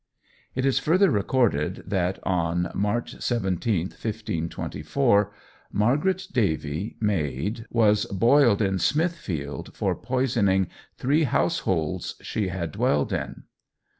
It is further recorded that "On March 17th, 1524, Margaret Davy, maid, was boiled in Smithfield for poisoning three households she had dwelled in."